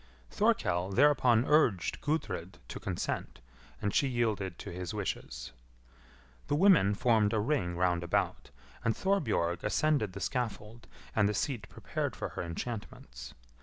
Thorkell thereupon urged Gudrid to consent, and she yielded to his wishes. The women formed a ring round about, and Thorbjorg ascended the scaffold and the seat prepared for her enchantments.